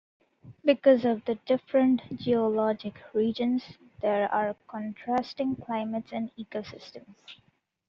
Because of the different geologic regions there are contrasting climates and ecosystems.